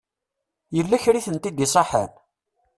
Yella kra i tent-id-isaḥen?